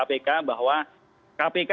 kpk sebagai sebuah struktur kebenaran